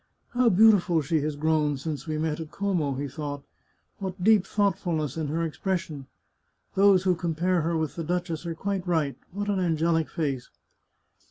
" How beautiful she has grown since we met at Como !" he thought. " What deep thoughtfulness in her expression ! Those who compare her with the duchess are quite right. What an an gelic face